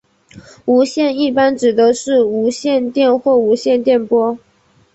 无线一般指的是无线电或无线电波。